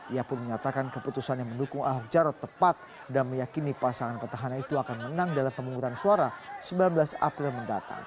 ia pun menyatakan keputusan yang mendukung ahok jarot tepat dan meyakini pasangan petahana itu akan menang dalam pemungutan suara sembilan belas april mendatang